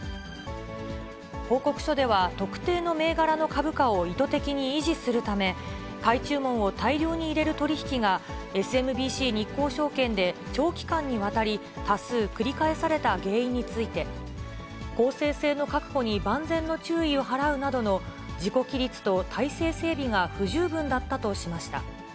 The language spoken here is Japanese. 報告書では、特定の銘柄の株価を意図的に維持するため、買い注文を大量に入れる取り引きが、ＳＭＢＣ日興証券で長期間にわたり、多数繰り返された原因について、公正性の確保に万全の注意を払うなどの自己規律と体制整備が不十分だったとしました。